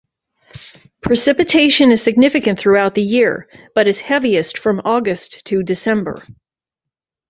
Precipitation is significant throughout the year, but is heaviest from August to December.